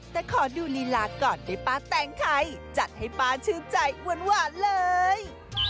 แต่ขอดูลีลาก่อนได้ป้าแตงใครจัดให้ป้าชื่นใจหวานเลย